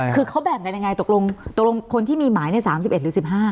คือเขาแบ่งกันยังไงตกลงตกลงคนที่มีหมายใน๓๑หรือ๑๕